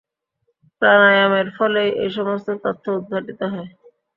প্রাণায়ামের ফলেই এ-সমস্ত তথ্য উদ্ঘাটিত হয়।